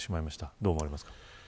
どう思われますか。